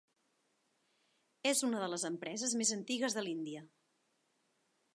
És una de les empreses més antigues de l'Índia.